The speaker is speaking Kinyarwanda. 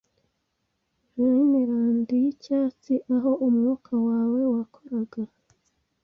Rhineland yicyatsi aho umwuka wawe wakoraga;